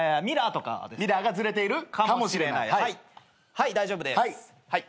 はい大丈夫です。